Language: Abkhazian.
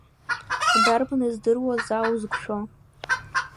Дарбан издыруа заа узықәшәо?